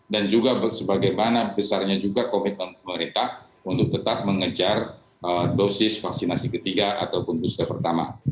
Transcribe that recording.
dan juga sebagaimana besarnya juga komitmen pemerintah untuk tetap mengejar dosis vaksinasi ketiga ataupun booster pertama